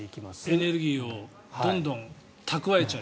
エネルギーをどんどん蓄えちゃう。